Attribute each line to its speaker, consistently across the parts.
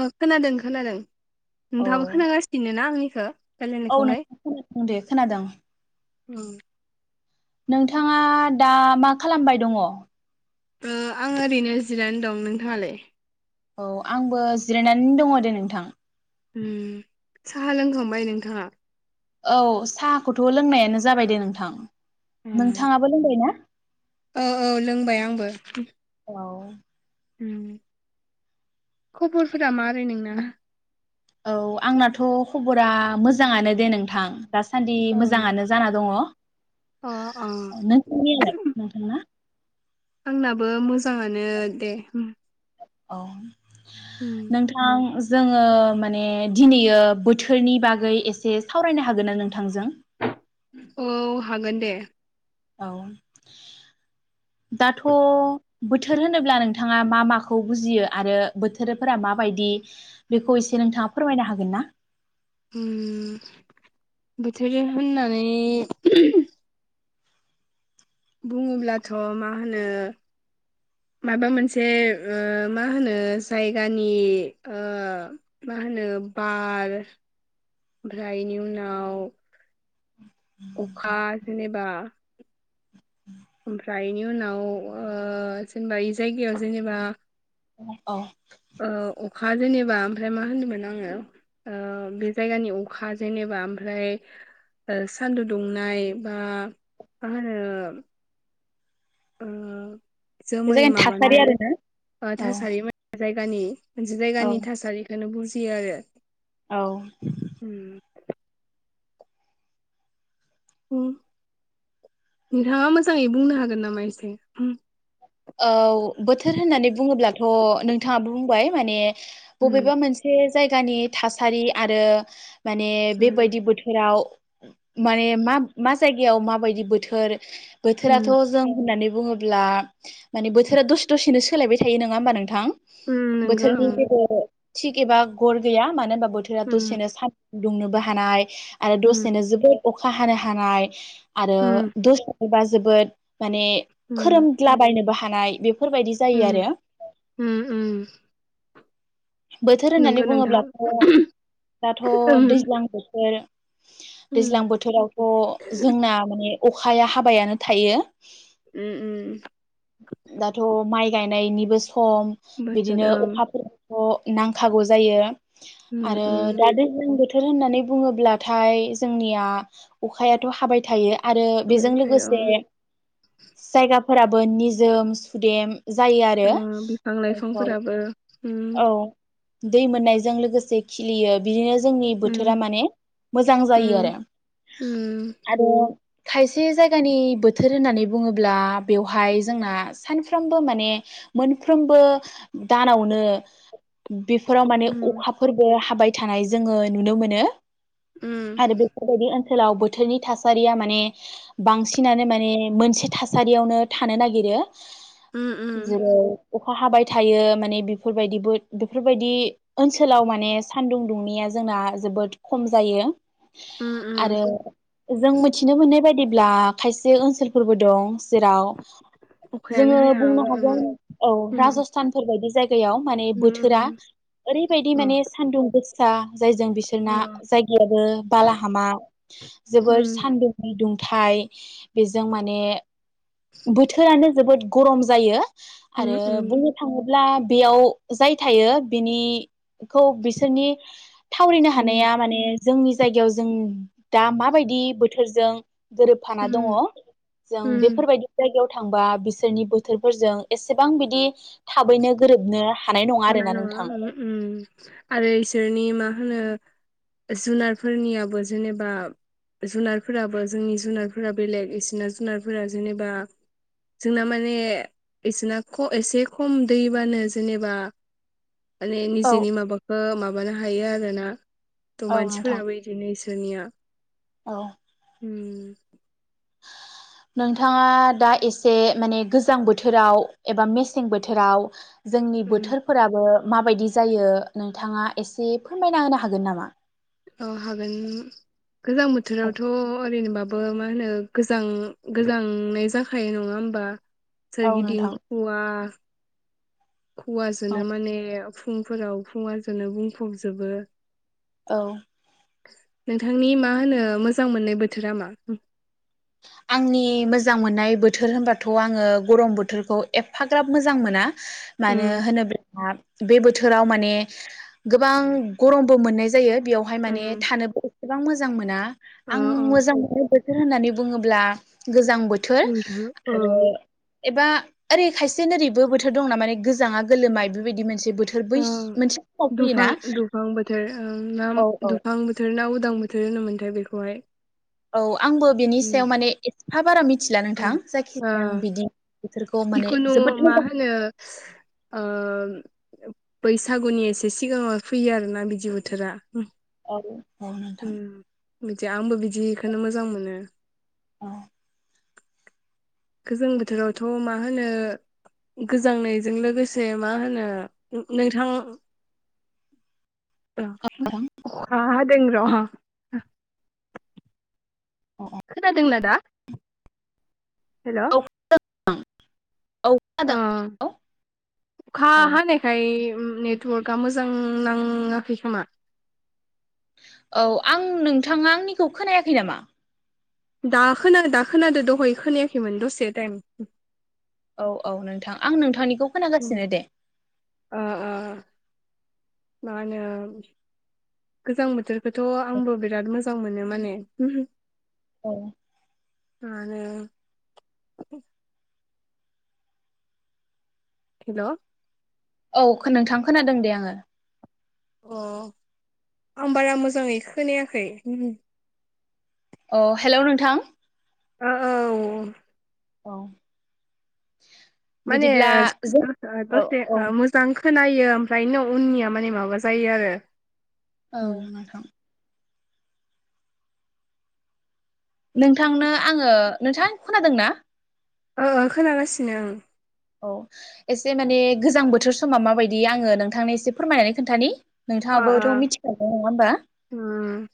Speaker 1: ओ खोनादों खोनादों।
Speaker 2: औ
Speaker 1: नोंथाङाबो खोनागासिनो ना आंनि खो
Speaker 2: औ नोंथां खोनादों दे खोनादों।
Speaker 1: ओं।
Speaker 2: नोंथाङा दा मा खालामबाय दङ?
Speaker 1: ओ आं ओरैनो जिरायनानै दं, नोंथाङालाय?
Speaker 2: औ आंबो जिरायनानै दङ दे नोंथां।
Speaker 1: उम। साहा लोंखांबाय नोंथाङा?
Speaker 2: औ साहाखौथ' लोंनायानो जाबाय दे नोंथां।
Speaker 1: उम
Speaker 2: नोंथाङाबो लोंबाय ना?
Speaker 1: औ औ लोंबाय [unintelligible]
Speaker 2: औ।
Speaker 1: ओं खबरफोरा मारै नोंना?
Speaker 2: औ आंनाथ' खबरा मोजाङानो दे नोंथां। दासान्दि
Speaker 1: औ
Speaker 2: मोजाङानो जाना दङ।
Speaker 1: अ अ
Speaker 2: नोंसोरनियालाय नोंथांना?
Speaker 1: आंनाबो मोजाङानो दे ओम।
Speaker 2: औ। नोंथां जोङो माने दिनैयो बोथोरनि बागै एसे सावरायनो हागोन ना नोंथांजों?
Speaker 1: औ हागोन दे।
Speaker 2: औ। दाथ' बोथोर होनोब्ला नोंथाङा मा माखौ बुजियो आरो बोथोरफोरा माबायदि बेखौ एसे नोंथाङा फोरमायनो हागोन ना?
Speaker 1: उम बोथोर होननानै बुङोब्लाथ' मा होनो माबा मोनसे ओ मा होनो जायगानि ओ मा होनो बार ओमफ्राय इनि उनाव अखा जेनेबा ओमफ्राय इनि उनाव ओ जेनेबा इ जायगायाव जेनेबा
Speaker 2: औ।
Speaker 1: ओ अखा जेनेबा ओमफ्राय मा होनदोंमोन आङो ओ बे जायगानि अखा जेनेबा ओमफ्राय ओ सान्दुं दुंनाय बा मा होनो ओ
Speaker 2: बे
Speaker 1: जोमै
Speaker 2: जागोन थासारि
Speaker 1: माबानाय
Speaker 2: आरोना
Speaker 1: ओ
Speaker 2: औ
Speaker 1: थासारि जायगानि जायगानि थासारिखौनो बुजि बि आरो
Speaker 2: औ
Speaker 1: उम उम नोंथाङा मोजाङै बुंनो हागोन नामा एसे होम
Speaker 2: औ बोथोर होननानै बुङोब्लाथ' नोंथाङाबो बुंबाय माने
Speaker 1: उम
Speaker 2: बबेबा मोनसे जायगानि थासारि आरो माने बेबायदि बोथोराव माने मा मा जायगायाव माबायदि बोथोर बोथोराथ'
Speaker 1: उम
Speaker 2: जों होननानै बुङोब्ला माने बोथोरा दसे दसेनो सोलायबाय थायो नङा होमबा नोंथां।
Speaker 1: उम नोंगो
Speaker 2: बोथोरनि
Speaker 1: उम
Speaker 2: जेबो थिग एबा गर गैया मानो होनबा बोथोरा
Speaker 1: उम
Speaker 2: दसेनो सान दुंनोबो हानाय आरो
Speaker 1: उम
Speaker 2: दसेनो जोबोद अखा हानो हानाय। आरो
Speaker 1: उम
Speaker 2: दस एबा जोबोद माने खोरोम बायनोबो हानाय बे
Speaker 1: ओम ओम
Speaker 2: बोथोर होननानै बुङोब्लाथ' दाथ'
Speaker 1: उम
Speaker 2: दैज्लां बोथोर
Speaker 1: उम
Speaker 2: दैज्लां बोथोरावथ' जोंना माने अखाया हाबायानो थायो
Speaker 1: उम उम
Speaker 2: दाथ' माइक गायनायनिबो सम
Speaker 1: बोथोर
Speaker 2: बिदिनो
Speaker 1: ओं
Speaker 2: अखाफोर अ नांखागौ जायो।
Speaker 1: उम
Speaker 2: आरो दा
Speaker 1: उम
Speaker 2: दैलां‌‌ बोथोरा [unintelligible] होननानै बुङोब्लाथाय जोंनिया अखायाथ' हाबाय थायो आरो बेजों
Speaker 1: ओमफ्राय ओं
Speaker 2: लोगोसे जायगा फोराबो निजोम सुदेम जायो
Speaker 1: ओ
Speaker 2: आरो
Speaker 1: बिफां
Speaker 2: [unintelligible]
Speaker 1: लाइफांफोराबो उम
Speaker 2: औ दै मोननायजों लोगोसे खिलियो बिदिनो जोंनि बोथोरा
Speaker 1: उम
Speaker 2: माने मोजां जायो
Speaker 1: उम
Speaker 2: आरो
Speaker 1: उम
Speaker 2: आरो खायसे जायगानि बोथोर होननानै बुङोब्ला बेवहाय जोंना सानफ्रोमबो माने मोनफ्रोमबो दानावनो बेफोराव माने
Speaker 1: उम
Speaker 2: अखाफोरबो हाबाय थानाय जोङो नुनो मोनो।
Speaker 1: उम
Speaker 2: आरो बेफोरबायदि ओ ओनसोलाव बोथोरनि थासारिया माने बांसिनानो माने मोनसे थासारियावनो थानो नागिरो
Speaker 1: उम
Speaker 2: जेरै अखा हाबाय थायो माने बेफोरबायदिबो बेफोरबायदि ओनसोलाव माने सानदुं दुंनिया जोंना जोबोद खम जायो
Speaker 1: उम उम
Speaker 2: आरो जों मिथिनो मोननाय बायदिब्ला खायसे ओनसोलफोरबो दं जेराव
Speaker 1: अखायानो
Speaker 2: जोङो
Speaker 1: हाया
Speaker 2: बुंनो
Speaker 1: उम उम
Speaker 2: हागोन औ
Speaker 1: उम
Speaker 2: राजस्थानफोरबायायदि जायगा गायाव माने बोथोरा
Speaker 1: उम
Speaker 2: ओरैबायदि
Speaker 1: अ
Speaker 2: माने सानदुं गोस [inaudible] जायजों बिसोरना
Speaker 1: अ
Speaker 2: जायगायाबो बालाहामा जोबोर
Speaker 1: उम
Speaker 2: सान्दुं गुदुं थाइ बेजों माने बोथोरानो जोबोद गरम जायो
Speaker 1: उम
Speaker 2: आरो
Speaker 1: उम
Speaker 2: बुंनो थाङो ब्ला बेयाव जाय थायो बिनिखौ बिसोरनि थावरिनो
Speaker 1: उम
Speaker 2: हानाया माने जोंनि जायगायाव जों दा माबायदि बोथोरजों गोरोबफाना दङ
Speaker 1: उम
Speaker 2: जों
Speaker 1: उम,
Speaker 2: बेफोरबायदि जायगायाव थांबा बिसोरनि बोथोरफोरजों एसेबां बिदि थाबैनो गोरोबनो नङा
Speaker 1: हानाय
Speaker 2: आरोना
Speaker 1: नङा
Speaker 2: नोंथां
Speaker 1: उम उम आरो इसोरनि मा होनो जुनारफोरनियाबो जेनेबा जुनारफोराबो जोंनि जुनारफोरा बेलेग इसोरना जुनारफोरा जेनेबा जोंना माने इसोरना एसे खम दैबानो जेनेबा माने
Speaker 2: औ
Speaker 1: निजेनि माबाखौ मा [unintelligible] हायो आरोना। थ'
Speaker 2: औ नोंथां
Speaker 1: मानसिफोराबो इदिनो दुनिया
Speaker 2: औ
Speaker 1: उम
Speaker 2: नोंथाङा दा एसे माने गोजां बोथोराव एबा मेसें बोथोराव जोंनि
Speaker 1: उम
Speaker 2: बोथोरफोराबो माबायदि जायो नोंथाङा एसे फोरमायना होनो हागोन नामा?
Speaker 1: औ हागोन गोजां बोथोरावथ' ओरैनोबा बो मा होनो गोजां-गोजांनाय जाखायो नङा होमबा?
Speaker 2: औ नोंथां
Speaker 1: सोरगिदिंखवा खुवाजोनो माने फुंफोराव खुवाजोंनो बुंफबजोबो।
Speaker 2: औ
Speaker 1: नोंथांनि मा होनो मोजां मोननाय बोथोरा मा?
Speaker 2: आंनि मोजां मोननाय बोथोर होनबाथ' आङो गरम बोथोरखौ एफाग्राब मोजां मोना। मानो
Speaker 1: उम
Speaker 2: होनो [unintelligible] बे बोथोराव माने गोबां गरमबो मोननाय जायो। बेयावहाय माने
Speaker 1: उम
Speaker 2: थानो गोबां मोजां मोना।
Speaker 1: अ
Speaker 2: आं मोजां मोननाय बोथ- थोर होननानै बुङोब्ला गोजां बोथोर
Speaker 1: अ
Speaker 2: आरो एबा ओरै खायसे नोरैबो बोथोर दंना माने गोजाङा गोलोमा बेबायदि मोनसे बोथोर बै
Speaker 1: ओं
Speaker 2: मोनसे समाव फैयोना
Speaker 1: दुफां-दुफां बोथोर ओं नाम
Speaker 2: औ
Speaker 1: दुफां बोथोर ना। उदां बोथोर होनो मोन्थाय बेखौहाय
Speaker 2: औ आंबो बेनि
Speaker 1: उम
Speaker 2: सायाव माने हा बारा मि-
Speaker 1: ओ
Speaker 2: बोथोरखौ माने
Speaker 1: जिखुनु
Speaker 2: जोबोद
Speaker 1: मा
Speaker 2: मोजां
Speaker 1: होनो ओ बैसागुनि एसे सिगाङाव फैयो आरो ना बिदि बोथोरा।
Speaker 2: [inaudible] ओ नोंथां।
Speaker 1: उम बिदि आंबो बिदिखोनो मोजां मोनो।
Speaker 2: औ
Speaker 1: गोजां बोथोरावथ' मा होनो गोजांनायजों लोगोसे मा होनो नोंथां। औ
Speaker 2: नोंथां
Speaker 1: अखा हा- [inaudible] [inaudible]
Speaker 2: औ
Speaker 1: खोनादोंना दा? हेल'
Speaker 2: आ।
Speaker 1: अ अखा
Speaker 2: औ
Speaker 1: हानायखाय नेटवार्कआ मोजां नाङाखै खोमा।
Speaker 2: औ आं नोंथाङा आंनिखौ खोनायाखै नामा?
Speaker 1: दा खोनादो खोनादो दहय खोनायाखैमोन दसे टाइम
Speaker 2: औ औ नोंथां आं नोंथांनि
Speaker 1: उम ओ ओ मा होनो गोजां बोथोर। थ' आंबो बिराद मोजां मोनो माने। ओहो
Speaker 2: औ
Speaker 1: मानो हेल'
Speaker 2: औ नोंथां खोनादों दे आङो
Speaker 1: अ आं बारा मोजाङै खोनायाखै।
Speaker 2: अ हेल' नोंथां।
Speaker 1: ओ औ
Speaker 2: औ।
Speaker 1: माने
Speaker 2: बिदिब्ला जों
Speaker 1: द
Speaker 2: औ
Speaker 1: दसेसे
Speaker 2: औ
Speaker 1: ओ मोजां खोनायो ओमफ्रायनो उननिया माने माबा जायो आरो
Speaker 2: औ
Speaker 1: ओ
Speaker 2: नोंथां नोंथांनो आङो नोंथां खोनादों ना?
Speaker 1: औ औ खोनागासिनो ओं
Speaker 2: औ एसे माने गोजां बोथोर समा माबायदि आङो नोंथांनो एसे फोरमायनानै खोन्थानि।
Speaker 1: अ
Speaker 2: नोंथाङाबोथ'
Speaker 1: अ
Speaker 2: मिथिखागोन नङा होमबा?
Speaker 1: उम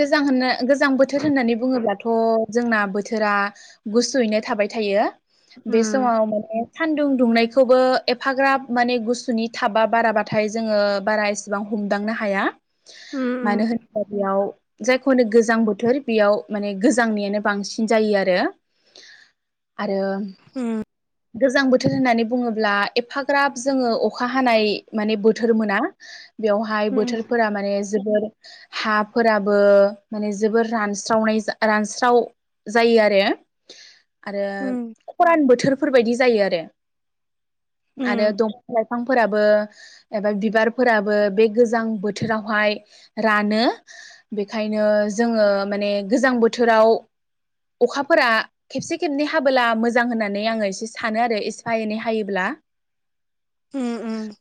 Speaker 2: गोजां होननो गोजां बोथोर होननानै बुङोब्लाथ' जोंना बोथोरा गुसुयैनो थाबाय थायो। बेस समाव माने सानदुं दुंनायखौबो एफाग्राब माने गुसुनि थाबा बाराबाथाय जोङो बारा एसेबां हमदांनो हाया।
Speaker 1: उम
Speaker 2: मानो होनोब्ला बेयाव जायखौनो होनो गोजां बोथोर बेयाव माने गोजांनियानो बांसिन जायो आरो। आरो
Speaker 1: उम
Speaker 2: गोजां बोथोर होननानै बुङोब्ला एफाग्राब जोङो अखा हानाय माने बोथोर मोना। बेवहाय
Speaker 1: उम
Speaker 2: बोथोरफोरा माने जोबोर हाफोराबो माने जोबोर रानस्रावनाय जा रानस्राव जायो आरो। आरो
Speaker 1: उम
Speaker 2: खरानबो। बेफोरबायदि जायो आरो। आरो
Speaker 1: उम
Speaker 2: दंफा लाइफां फांफोराबो एबा बिबारफोराबो बे गोजां बोथोरावहाय रानो बेखायनो जोङो माने गोजां बोथोराव अखाफोरा खेबसे खेबनै हाबोला मोजां होननानै नानै आङो एसे सानो आरो एसफा एनै हायोब्ला
Speaker 1: उम उम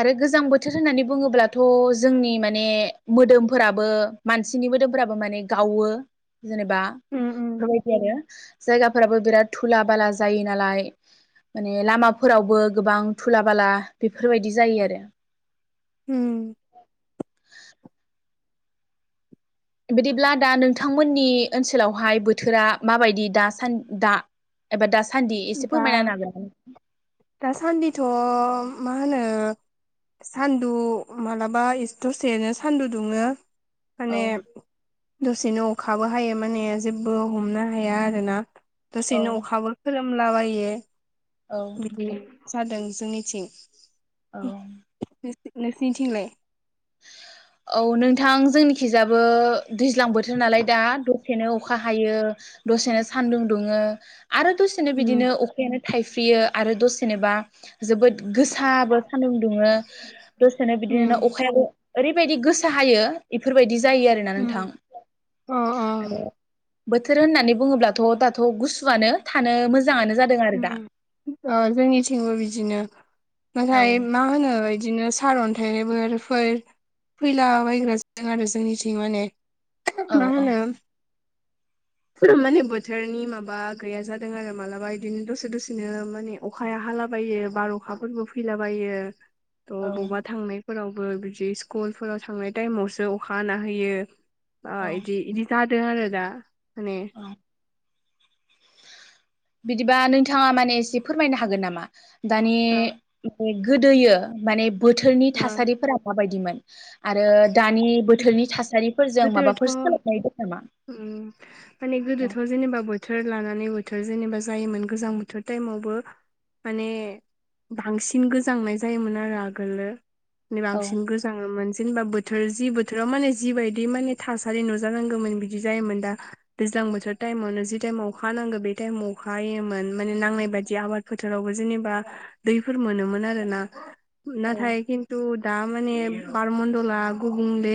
Speaker 2: आरो गोजां बोथोर होननानै बुङोब्लाथ' जोंनि माने मोदोमफोराबो मानसिनि मोदोमफोराबो माने गावो जेनेबा
Speaker 1: उम उम
Speaker 2: बेफोरबायदि आरो जायगाफोराबो बिराद दुला बाला जायो नालाय माने लामाफोरावबो गोबां दुला बाला बेफोरबायदि जायो आरो
Speaker 1: उम
Speaker 2: बिदिब्ला दा नोंथांमोननि ओनसोलावहाय बोथोरा माबायदि दा सान दा एबा दा सान्दि एसे
Speaker 1: दा
Speaker 2: फोरमायना होनो हागोन?
Speaker 1: दासान्दिथ' मा होनो सान्दुं मालाबा दसेनो सान्दुं दुङो माने
Speaker 2: औ
Speaker 1: दसेनो अखाबो हायो माने जेबो हमनो हाया आरोना
Speaker 2: औ
Speaker 1: दसेनो अखाबो खोरोम लाबायो
Speaker 2: औ
Speaker 1: बिदि जादों जोंनिथिं
Speaker 2: औ
Speaker 1: नोंसिनिथिंलाय?
Speaker 2: औ नोंथां जोंनिखिजाबो दै ज्लां बोथोर नालाय दा दसेनो अखा हायो दसेनो सान्दुं दुङो आरो दसेनो
Speaker 1: उम
Speaker 2: बिदिनो अखायानो थाइफ्रियो आरो दसेनोबा जोबोद गोसाबो सान्दुं दुङो दसेनो बिदिनो
Speaker 1: उम
Speaker 2: अखायाबो ओरैबायदि गोसा हायो इफोरबायदि जायो आरोना
Speaker 1: उम
Speaker 2: नोंथां
Speaker 1: अ अ
Speaker 2: आरो बोथोर होननानै बुङोब्लाथ' दाथ' गुसुआनो थानो मोजाङानो जादों आरो
Speaker 1: उम
Speaker 2: दा
Speaker 1: ओ जोंनिथिंबो बिदिनो
Speaker 2: औ
Speaker 1: नाथाय मा होनो बिदिनो सारअन्थाइबोरफोर फैलाबायग्रा जादों आरो जोंनिथिं माने
Speaker 2: औ
Speaker 1: मा होनो माने बोथोरनि माबा गैया जादों आरो मालाबा बिदिनो दसे दसेनो माने अखाया हालाबायो बार अखाफोरबो फैलाबायो। थ'
Speaker 2: औ
Speaker 1: बबा थांनो फोरावबो बिदि स्कुलफोराव थांनाय टाइमावसो अखा हाना होयो आ
Speaker 2: औ
Speaker 1: इदि इदिगाथ बे आरो दा माने
Speaker 2: औ बिदिबा नोंथाङा माने एसे फोरमायनो हागोन नामा दानि
Speaker 1: ओ
Speaker 2: ए गोदोयो माने बोथोरनि थासारिफोरा माबायदि बिमोन आरो दानि
Speaker 1: गोदो
Speaker 2: बोथोरनि थासारिफोरजों
Speaker 1: गोदोथ'
Speaker 2: माबाफोर सोलायनाय दं नामा
Speaker 1: उम माने
Speaker 2: औ
Speaker 1: गोदोथ' जेनेबा बोथोर लानानै बोथोर जेनेबा जायोमोन गोजां बोथोर टाइमावबो माने बांसिन गोजांनाय जायोमोन आरो आगोलो नि
Speaker 2: औ
Speaker 1: बांसिन गोजाङोमोन जिनिबा बोथोर जि बथो थोराव माने जिबायदि माने थासारि नुजानांगौमोन बिदि जायोमोन दा दैज्लां बोथोर टाइमावनो जि टाइमाव अखा नांगौ बे टाइमाव अखा होमोन माने नांनाय बादि आबाद फोथारावबो जेनेबा दैफोर मोनोमोन आरोना नाथाय खिथु दा माने पारमण्डला गुबुंले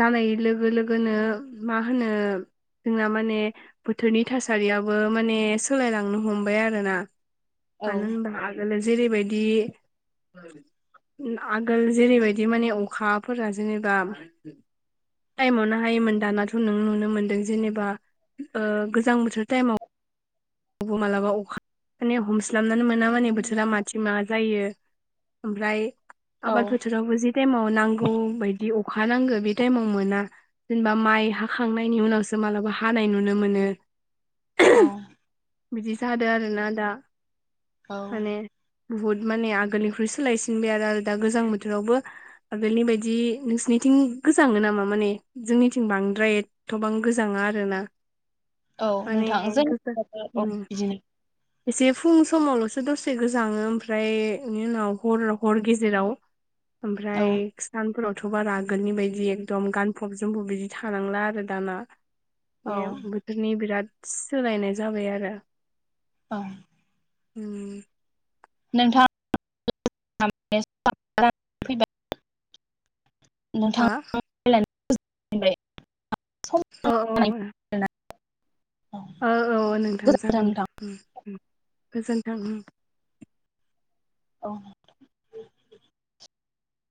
Speaker 1: जानाय लोगो लोगोनो मा होनो जोंना माने बोथोरनि थासारियाबो माने सोलायलांनो हमबाय आरोना
Speaker 2: औ
Speaker 1: मानो होनबा आगोलो जेरैबायदि आगोल जेरैबायदि माने अखाफोरा जेनेबा टाइमावनो हायोमोन दानाथ' नों नुनो मोनदों जेनेबा ओ गोजां बोथोर टाइमाव उबु मालाबा अखा हानायाव हमस्लाब नानो मोना माने बोथोरा माथिं माबा जायो ओमफ्राय
Speaker 2: औ
Speaker 1: आबाद फोथारावबो जि टाइएमाव नांगौ बायदि अख अखा नांगौ बे टाइमाव मोना जेनेबा माइ हाखांनायनि उनावसो मालाबा हानाय नुनो मोनो
Speaker 2: औ
Speaker 1: बिदि जादो आरोना दा
Speaker 2: औ
Speaker 1: माने बुहुद माने आगोलनिख्रुइ सोलायसिनबाय आरो दा गोजां बोथोरावबो आगोलनि बायदि नोंसिनिथिं गोजाङो नामा माने जोंनिथिं बांद्रायथ'बां गोजाङा आरो ना
Speaker 2: औ नोंथां जों औ
Speaker 1: उम
Speaker 2: बिदिनो
Speaker 1: एसे फुं समावल'सो दसे गोजाङो ओमफ्राय बेनि उनाव हर हर गेजेराव
Speaker 2: औ
Speaker 1: ओमफ्राय सानफोराव थ' बारा आंगोलनि बायदि एकदम गानफब जोमफब बिदि थानांला आरो दाना।
Speaker 2: औ
Speaker 1: ऐ बोथोरनि बिराद सोलोयनाय जाबाय आरो।
Speaker 2: औ।
Speaker 1: उम।
Speaker 2: [unintelligible]
Speaker 1: हा
Speaker 2: [unintelligible] [unintelligible]
Speaker 1: औ औ। औ औ नोंथां जागोन दे
Speaker 2: नोंथां
Speaker 1: ओम ओम। गोजोन्थों ओम।
Speaker 2: औ।